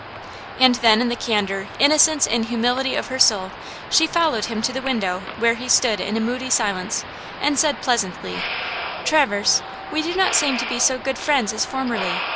And then in the candor, innocence and humility of her soul, she followed him to the window where he stood in a moody silence, and said pleasantly: "Traverse, we do not seem to be so good friends as formerly.